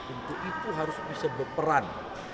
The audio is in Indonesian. untuk itu harus bisa berperan